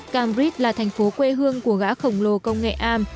cambrid là thành phố quê hương của gã khổng lồ công nghệ am